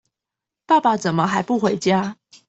爸爸怎麼還不回家